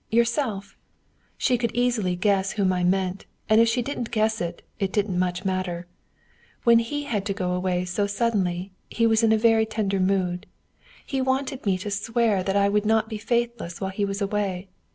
Yourself! She could easily guess whom I meant, and if she didn't guess it, it didn't much matter. When he had to go away so suddenly, he was in a very tender mood. He wanted to make me swear that I would not be faithless while he was away.